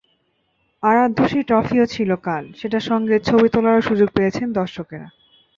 আরাধ্য সেই ট্রফিও ছিল কাল, সেটার সঙ্গে ছবি তোলারও সুযোগ পেয়েছেন দর্শকেরা।